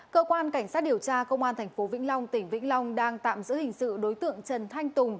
cơ quan cảnh sát điều tra công an tp vĩnh long tỉnh vĩnh long đang tạm giữ hình sự đối tượng trần thanh tùng